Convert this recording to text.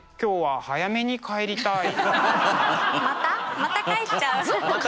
また帰っちゃう？